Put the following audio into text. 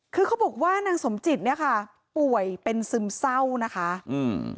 คือเขาบอกว่านางสมจิตเนี้ยค่ะป่วยเป็นซึมเศร้านะคะอืม